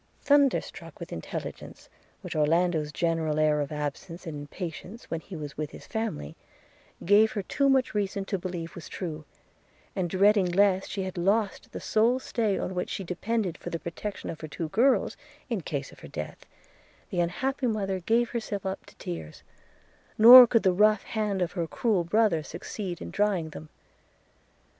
Thunderstruck with intelligence which Orlando's general air of absence and impatience when he was with his family gave her too much reason to believe was true, and dreading lest she had lost the sole stay on which she depended for the protection of her two girls in case of her death, the unhappy mother gave herself up to tears, nor could the rough hand of her cruel brother succeed in drying them.